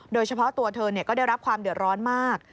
โดยเฉพาะตัวเธอก็ได้รับความเดือดร้อนมาก